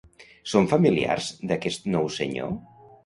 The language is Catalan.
Són familiars d'aquest nou senyor?